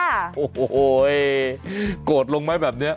โห้โห้ยโกรธลงมั้ยแบบนี้